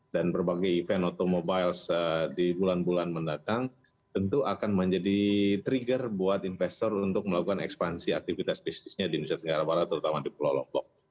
dan berbagai event automobiles di bulan bulan mendatang tentu akan menjadi trigger buat investor untuk melakukan ekspansi aktivitas bisnisnya di indonesia tenggara barat terutama di pulau lombok